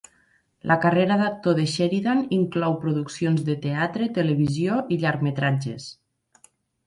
La carrera d'actor de Sheridan inclou produccions de teatre, televisió i llargmetratges.